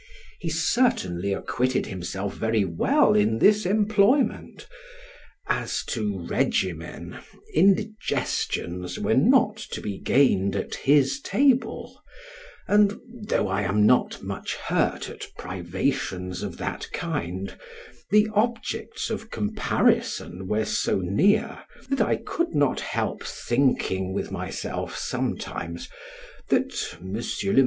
He certainly acquitted himself very well in this employment; as to regimen, indigestions were not to be gained at his table; and though I am not much hurt at privations of that kind, the objects of comparison were so near, that I could not help thinking with myself sometimes, that M.